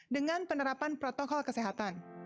dengan penerapan protokol kesehatan